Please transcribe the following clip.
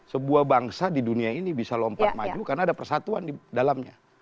sebuah bangsa di dunia ini bisa lompat maju karena ada persatuan di dalamnya